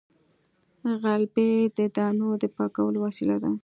غلبېل د دانو د پاکولو وسیله ده